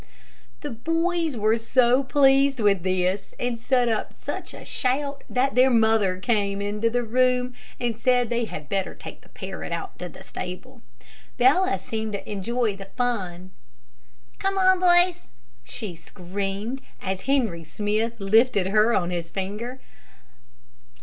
The boys were so pleased with this and set up such a shout, that their mother came into the room and said they had better take the parrot out to the stable. Bella seem to enjoy the fun. "Come on, boys," she screamed, as Henry Smith lifted her on his finger.